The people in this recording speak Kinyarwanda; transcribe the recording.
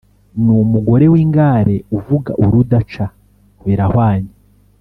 n’umugore w’ingare uvuga urudaca birahwanye